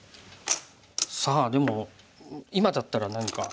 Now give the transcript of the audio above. さあでも今だったら何か。